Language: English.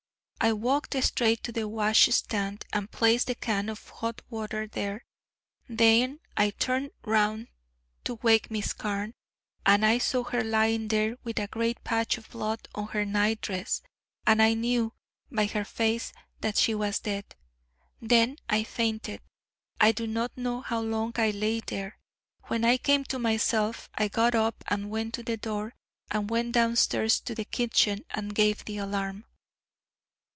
I walked straight to the washstand and placed the can of hot water there; then I turned round to wake Miss Carne, and I saw her lying there with a great patch of blood on her nightdress, and I knew by her face that she was dead. Then I fainted. I do not know how long I lay there. When I came to myself I got up and went to the door, and went downstairs to the kitchen and gave the alarm."